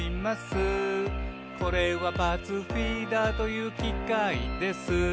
「これはパーツフィーダーというきかいです」